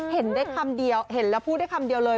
เห็นได้คำเดียวเห็นแล้วพูดได้คำเดียวเลย